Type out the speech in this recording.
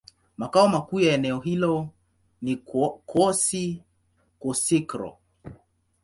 Makao makuu ya eneo hilo ni Kouassi-Kouassikro.